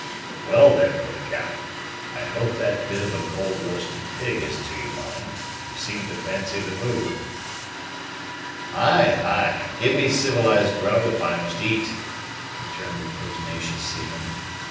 "Well, then, brother Cap, I hope that bit of a cold roasted pig is to your mind; you seem to fancy the food." "Ay, ay; give me civilized grub if I must eat," returned the pertinacious seaman.